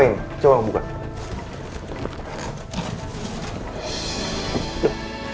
saya disuruh mengantarkan ini